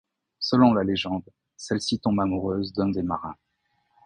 Selon la légende, celle-ci tombe amoureuse d'un des marins.